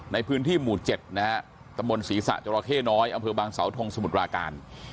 ในพื้นที่หมู่เจ็ดนะฮะตะมนต์ศรีษะจังหลอกเฮ้น้อยอำเผือบางเสาทงสมุทรปราการ